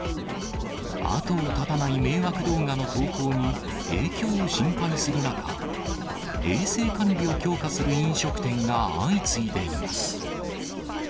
後を絶たない迷惑動画の投稿に、影響を心配する中、衛生管理を強化する飲食店が相次いでいます。